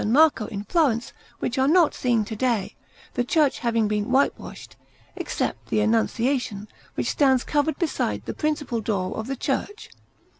Marco in Florence, which are not seen to day, the church having been whitewashed, except the Annunciation, which stands covered beside the principal door of the church.